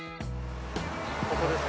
ここです。